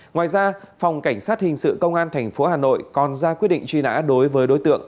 ngoài ra phòng cảnh sát hình sự công an tp hà nội còn ra quyết định truy nã đối với đối tượng